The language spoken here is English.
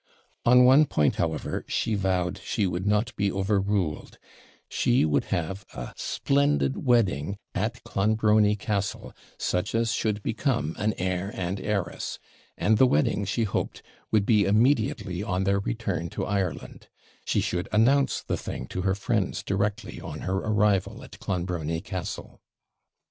On one point, however, she vowed she would not be overruled she would have a splendid wedding at Clonbrony Castle, such as should become an heir and heiress; and the wedding, she hoped, would be immediately on their return to Ireland; she should announce the thing to her friends directly on her arrival at Clonbrony Castle.